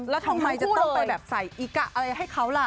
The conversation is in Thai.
แล้วทำไมจะต้องไปแบบใส่อีกะอะไรให้เขาล่ะ